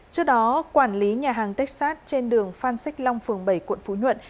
trước đó quản lý nhà hàng texas trên đường phan xích long phường bảy quận phú nhuận